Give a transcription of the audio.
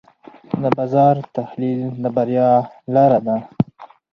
د بازار تحلیل د بریا لاره ده.